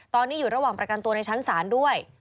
ตอนนี้อยู่ระหว่างประกันตัวในชั้นศาลด้วย